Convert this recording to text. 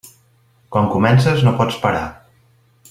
Quan comences, no pots parar.